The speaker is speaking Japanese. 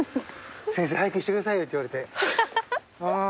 先生早くしてくださいよって言われてうーん